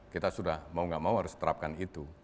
kita sudah mau gak mau harus terapkan itu